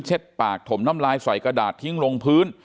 ปากถมน้ำลายใส่กระดาษทิ้งลงพื้น